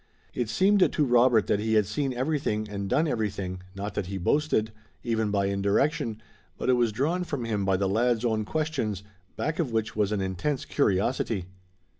It seemed to Robert that he had seen everything and done everything, not that he boasted, even by indirection, but it was drawn from him by the lad's own questions, back of which was an intense curiosity.